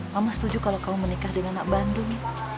mama setuju kalau kamu menikah dengan anak bandung